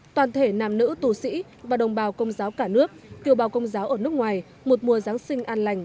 toàn thể nàm nữ tù sĩ và đồng bào công giáo cả nước kiều bào công giáo ở nước ngoài một mùa giáng sinh an lành